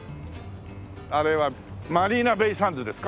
あれはマリーナベイ・サンズですか？